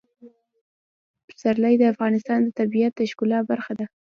پسرلی د افغانستان د طبیعت د ښکلا برخه ده.